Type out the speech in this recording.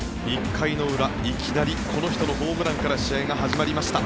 １回の裏、いきなりこの人のホームランから試合が始まりました。